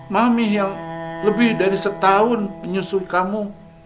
mami yang lebih dari setahun menyusul kamu